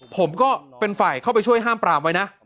ผมก็เป็นฝ่ายเข้าไปช่วยห้ามปรามไว้นะ